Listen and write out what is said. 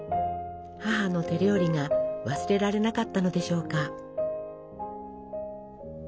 母の手料理が忘れられなかったのでしょうか。